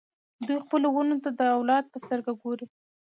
دوی خپلو ونو ته د اولاد په سترګه ګوري.